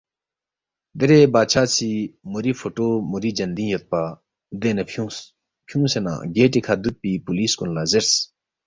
دیرے بادشاہ سی مُوری فوٹو مُوری جندِنگ یودپا، دینگ نہ فیُونگس، فیُونگسے نہ گیٹی کھہ دُوکپی پولِیس کُن لہ زیرس،